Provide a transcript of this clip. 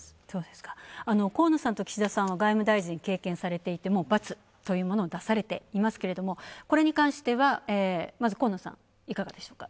河野さんと岸田さんは外務大臣を経験されていて×というものを出されていますけれども、これに関しては、河野さん、いかがでしょうか？